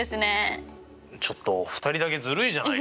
ちょっと２人だけずるいじゃないですか。